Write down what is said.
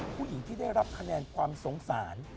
ผู้หญิงที่ได้รับคะแนนความสงสาร